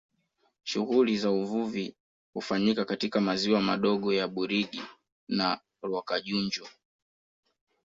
Shughuli za uvuvi hufanyika katika maziwa madogo ya Burigi na Rwakajunju